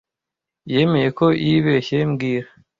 Yemeye ko yibeshye mbwira